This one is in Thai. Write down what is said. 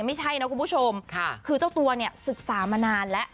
ไม่ใช่นะคุณผู้ชมคือเจ้าตัวเนี่ยศึกษามานานแล้ว